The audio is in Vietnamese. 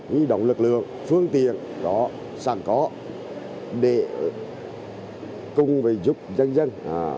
di động lực lượng phương tiện sẵn có để cùng giúp dân dân